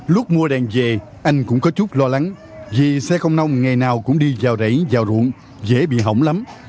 lúc mua đèn về anh cũng có chút lo lắng vì xe công nông ngày nào cũng đi vào rẫy vào ruộng dễ bị hỏng lắm